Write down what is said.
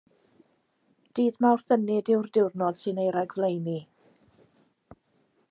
Dydd Mawrth Ynyd yw'r diwrnod sy'n ei ragflaenu.